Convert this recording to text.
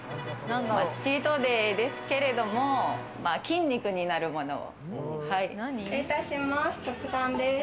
チートデイですけれども、筋肉になるものを。